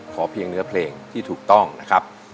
ขอเพียงเนื้อเพลงที่ถูกต้องนะครับ